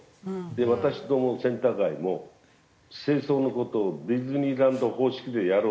で私どものセンター街も清掃の事をディズニーランド方式でやろうよと。